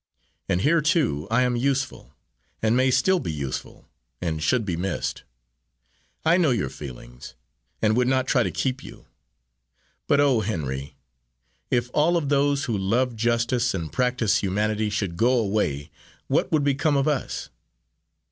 And here, too, I am useful and may still be useful and should be missed. I know your feelings, and would not try to keep you. But, oh, Henry, if all of those who love justice and practise humanity should go away, what would become of us?"